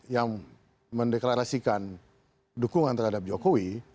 yang mendeklarasikan dukungan terhadap jokowi